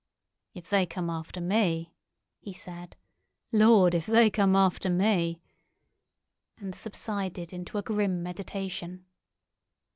"If they come after me," he said; "Lord, if they come after me!" and subsided into a grim meditation.